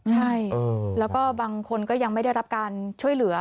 ใช่แล้วก็บางคนก็ยังไม่ได้รับการช่วยเหลือ